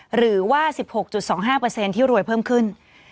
หรือว่า๑๖๒๕เปอร์เซ็นต์ที่รวยเพิ่มขึ้น